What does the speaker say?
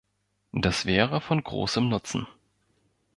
Das wäre von großem Nutzen.